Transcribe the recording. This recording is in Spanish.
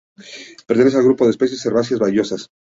Pertenece al grupo de especies herbáceas vellosas.